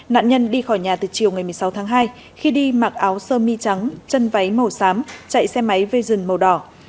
nạn nhân đi khỏi nhà từ chiều ngày một mươi sáu tháng hai khi đi mặc áo sơ mi trắng chân váy màu xám chạy xe máy vision màu đỏ